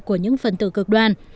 của những phần tự cực đoan